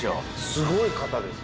すごい方です。